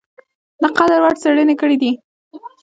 د قدر وړ څېړني کړي دي ۔